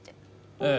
ええ。